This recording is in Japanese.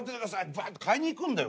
バッと買いに行くんだよ